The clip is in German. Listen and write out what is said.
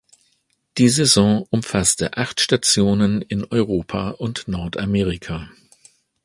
Die Saison umfasste acht Stationen in Europa und Nordamerika.